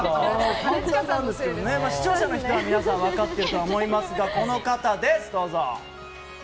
視聴者の人は皆さん分かってると思いますがこの方です。